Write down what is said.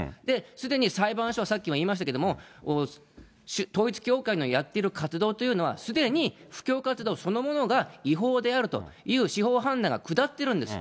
すでに裁判所は、さっきも言いましたけれども、統一教会のやってる活動というのは、すでに布教活動そのものが違法であるという司法判断が下ってるんです。